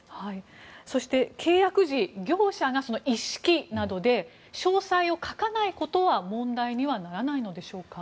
そして契約時業者が、一式などで詳細を書かないことは問題にはならないのでしょうか？